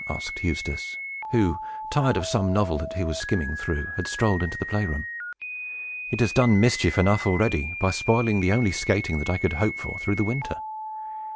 asked Eustace, who, tired of some novel that he was skimming through, had strolled into the play room. "It has done mischief enough already, by spoiling the only skating that I could hope for through the winter.